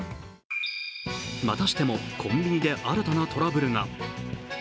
またしても、コンビニで新たなトラブルが。